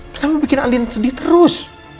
kenapa bikin aldin sedih terus